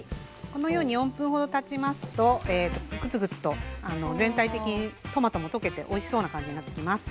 このように４分ほどたちますとクツクツと全体的にトマトも溶けておいしそうな感じになってきます。